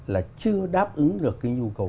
là chưa đáp ứng được cái nhu cầu